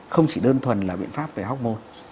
không chỉ đơn thuần là biện pháp về học môn